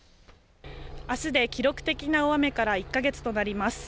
あすで記録的な大雨から１か月となります。